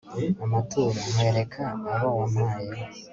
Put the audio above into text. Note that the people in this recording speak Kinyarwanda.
amaturo, nkwereka abo wampaye